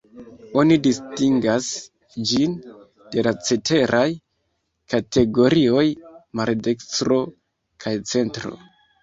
Oni distingas ĝin de la ceteraj kategorioj: maldekstro kaj centro.